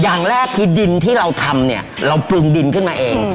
อย่างแรกคือดินที่เราทำเนี่ยเราปรุงดินขึ้นมาเอง